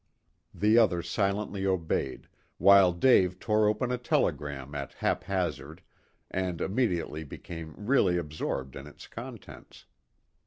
The other silently obeyed, while Dave tore open a telegram at haphazard, and immediately became really absorbed in its contents.